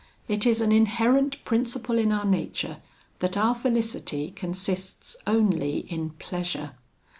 It is an inherent principle in our nature, that our felicity consists only in pleasure.